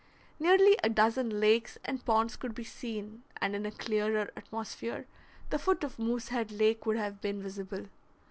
Nearly a dozen lakes and ponds could be seen, and in a clearer atmosphere the foot of Moosehead Lake would have been visible.